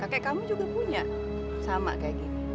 kakek kamu juga punya sama kayak gini